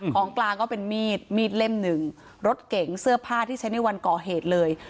ของกลางก็เป็นมีดมีดเล่มหนึ่งรถเก๋งเสื้อผ้าที่ใช้ในวันก่อเหตุเลย